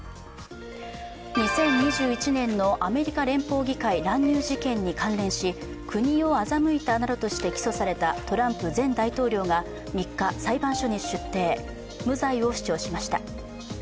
２０２１年のアメリカ連邦議会乱入事件に関連し国を欺いたなどとして起訴されたトランプ前大統領が３日裁判所に出廷無罪を主張しました。